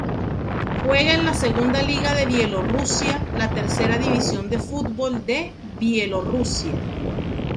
Juega en la Segunda Liga de Bielorrusia, la Tercera División de Fútbol de Bielorrusia.